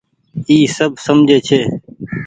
اي سب سجهي ڇي۔